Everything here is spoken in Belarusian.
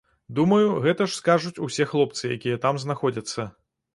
Думаю, гэта ж скажуць усе хлопцы, якія там знаходзяцца.